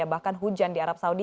bahkan hujan di arab saudi